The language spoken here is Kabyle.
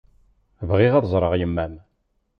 Bɣiɣ ad ẓreɣ yemma-m.